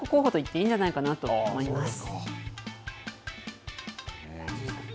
もう、三役候補と言っていいんじゃないかなと思います。